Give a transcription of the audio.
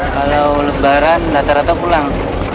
kalau lebaran rata rata pulang